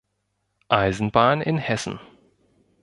Eisenbahn in Hessen".